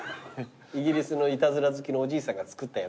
イギリスのいたずら好きのおじいさんが作ったやつだから。